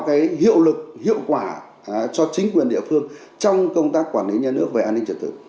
cái hiệu lực hiệu quả cho chính quyền địa phương trong công tác quản lý nhà nước về an ninh trật tự